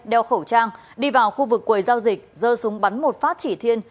đeo khẩu trang đi vào khu vực quầy giao dịch dơ súng bắn một phát chỉ thiên